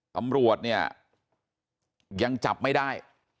ตำรวจเนี่ยยังจับไม่ได้